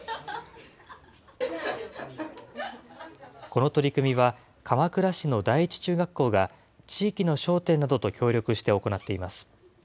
この取り組みは、鎌倉市の第一中学校が、地域の商店などと協力して行っています。